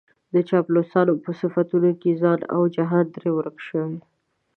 د چاپلوسانو په صفتونو کې ځان او جهان ترې ورک شوی.